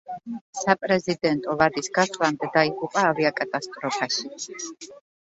საპრეზიდენტო ვადის გასვლამდე დაიღუპა ავიაკატასტროფაში.